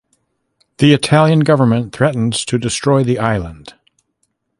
The Italian government threatens to destroy the island.